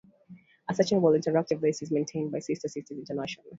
A searchable, interactive list is maintained by Sister Cities International.